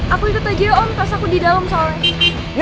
aku ikut aja ya om pas aku di dalam soalnya